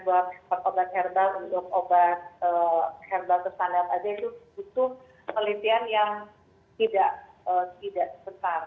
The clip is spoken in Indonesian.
tapi kalau kita memiliki sebuah obat obat herbal untuk obat obat kesanat itu butuh penelitian yang tidak besar